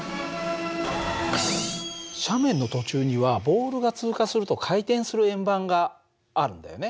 斜面の途中にはボールが通過すると回転する円盤があるんだよね。